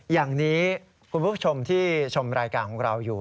อย่างนี้คุณผู้ชมที่ชมรายการของเราอยู่